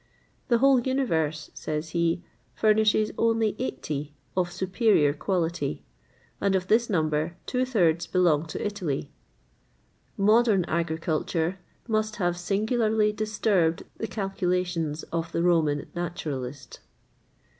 [XXVIII 89] The whole universe, says he, furnishes only 80 of superior quality, and of this number, two thirds belong to Italy.[XXVIII 90] Modern agriculture must have singularly disturbed the calculations of the Roman naturalist.